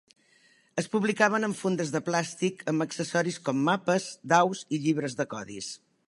Es publicaven en fundes de plàstic amb accessoris com mapes, daus i llibres de codis.